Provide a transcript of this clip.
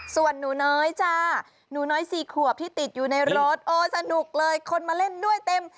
ส่วนหนูน้อยจ้าหนูน้อยสี่ขวบที่ติดอยู่ในรถโอ้สนุกเลยคนมาเล่นด้วยเต็ม